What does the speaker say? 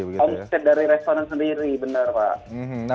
omset dari restoran sendiri benar pak